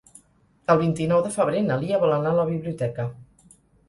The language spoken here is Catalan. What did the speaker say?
El vint-i-nou de febrer na Lia vol anar a la biblioteca.